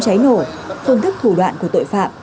cháy nổ phương thức thủ đoạn của tội phạm